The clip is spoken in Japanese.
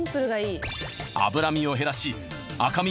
脂身を減らし赤身